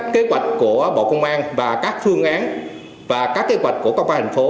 kế hoạch của bộ công an và các phương án và các kế hoạch của công an thành phố